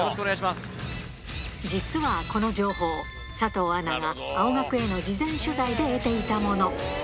実はこの情報、佐藤アナが青学への事前取材で得ていたもの。